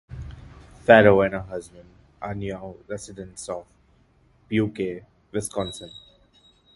Farrow and her husband are now residents of Pewaukee, Wisconsin.